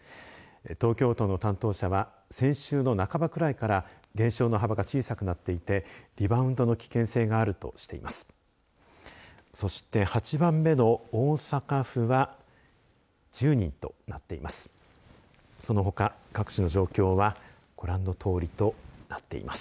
東京都の担当者は先週の半ばくらいから減少の幅が小さくなっていてリバウンドの危険性があるとしています。